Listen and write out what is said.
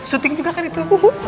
shooting juga kan itu